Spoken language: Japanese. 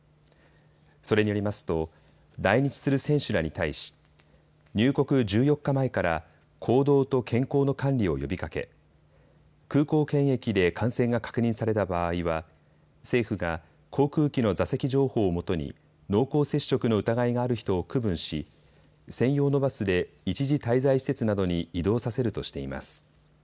それによりますと来日する選手らに対し、入国１４日前から行動と健康の管理を呼びかけ空港検疫で感染が確認された場合は政府が航空機の座席情報をもとに濃厚接触の疑いがある人を区分し、専用のバスで一時滞在施設などに移動させるとしています。